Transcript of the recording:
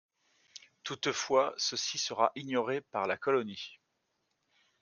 Toutefois, ceci sera ignoré par la colonie.